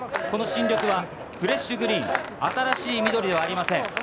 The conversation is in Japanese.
この深緑は、フレッシュグリーン、新しい緑ではありません。